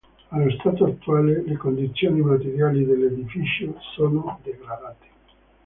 Allo stato attuale le condizioni materiali dell'edificio sono degradate.